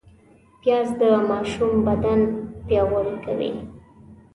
پیاز د ماشوم بدن پیاوړی کوي